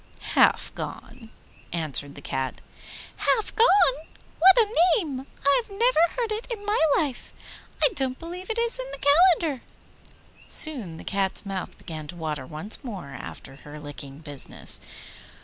'Half Gone,' answered the Cat. 'Halfgone! what a name! I have never heard it in my life. I don't believe it is in the calendar.' Soon the Cat's mouth began to water once more after her licking business.